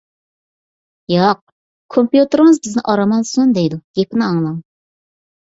ياق، كومپيۇتېرىڭىز بىزنى ئارام ئالسۇن دەيدۇ، گېپىنى ئاڭلاڭ.